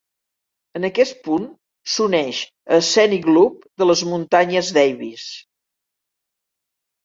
En aquest punt, s'uneix a Scenic Loop de les muntanyes Davis.